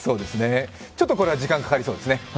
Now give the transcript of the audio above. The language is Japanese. ちょっとこれは時間かかりそうですね。